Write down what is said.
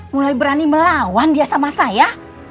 mulai berani melawan dia sama saya